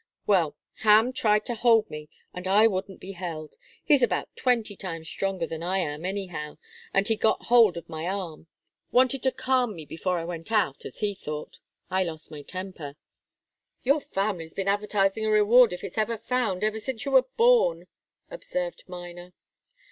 Well Ham tried to hold me, and I wouldn't be held. He's about twenty times stronger than I am, anyhow, and he'd got hold of my arm wanted to calm me before I went out, as he thought. I lost my temper " "Your family's been advertising a reward if it's found, ever since you were born," observed Miner.